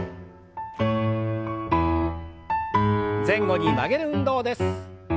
前後に曲げる運動です。